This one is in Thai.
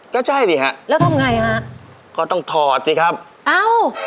ก็ใช่ดิฮะแล้วทำไงฮะก็ต้องถอดสิครับเอ้า